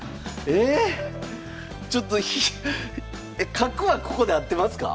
えっ角はここで合ってますか？